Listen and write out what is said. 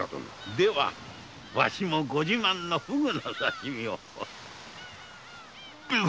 ではワシもご自慢のフグの刺身を。